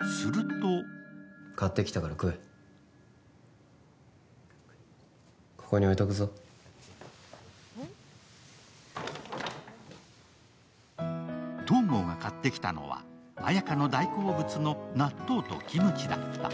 すると東郷が買ってきたのは、綾華の大好物の納豆とキムチだった。